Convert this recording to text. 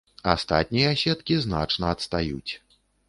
Астатнія сеткі значна адстаюць.